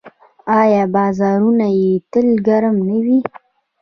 آیا بازارونه یې تل ګرم نه وي؟